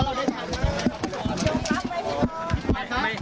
เรื่องราวที่มันเกิดเรื่องอะไรขับพ่อ